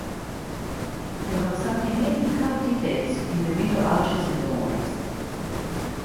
There are some remaining carved details in the window arches and doorways.